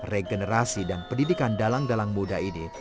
regenerasi dan pendidikan dalang dalang muda ini